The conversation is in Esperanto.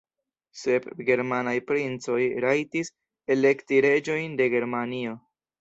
Sep germanaj princoj rajtis elekti reĝojn de Germanio.